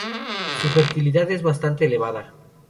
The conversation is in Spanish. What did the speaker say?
Su fertilidad es bastante elevada.